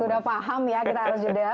sudah paham ya kita harus jeda